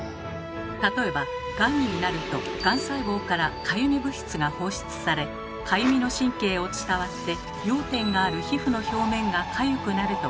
例えばがんになるとがん細胞からかゆみ物質が放出されかゆみの神経を伝わって痒点がある皮膚の表面がかゆくなると考えられています。